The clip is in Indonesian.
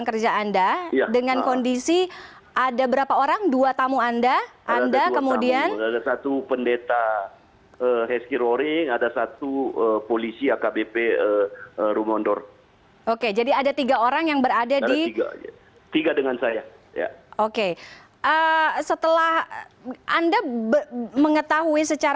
kedua anggota dpr tersebut juga tidak mengalami luka